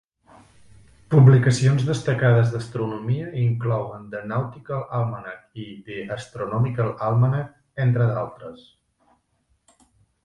Publicacions destacades d'astronomia inclouen "The Nautical Almanac" i "The Astronomical Almanac" entre d'altres.